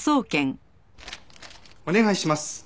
お願いします。